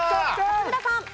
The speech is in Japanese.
勝村さん。